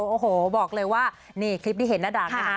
โอ้โหบอกเลยว่านี่คลิปที่เห็นหน้าดำนะคะ